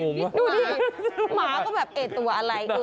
ดูนี่หมาก็แบบตัวอะไร